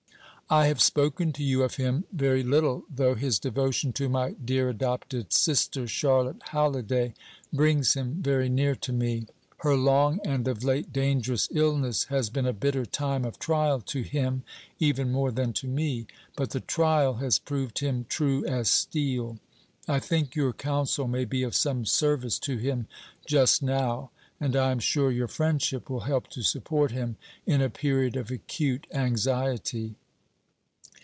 I have spoken to you of him very little, though his devotion to my dear adopted sister, Charlotte Halliday, brings him very near to me. Her long, and of late dangerous, illness has been a bitter time of trial to him, even more than to me; but the trial has proved him true as steel. I think your counsel may be of some service to him just now, and I am sure your friendship will help to support him in a period of acute anxiety.